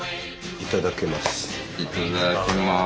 いただきます。